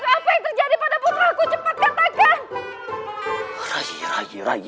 apa yang terjadi pada putraku cepat katakan